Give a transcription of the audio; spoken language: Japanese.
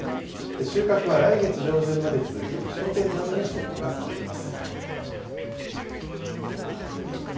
収穫は来月上旬まで続き、首都圏などに出荷されます。